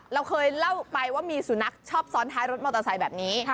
เราเคยเล่าไปว่ามีสุนัขชอบซ้อนท้ายรถมอเตอร์ไซค์แบบนี้